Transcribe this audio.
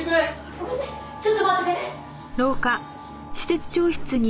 ごめんねちょっと待っててね。